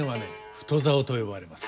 太棹と呼ばれます。